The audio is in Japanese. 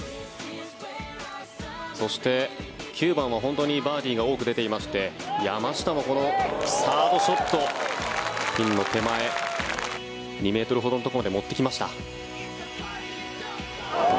そして９番は本当にバーディーが多く出ていまして山下もこのサードショットピンの手前２ｍほどのところまで持ってきました。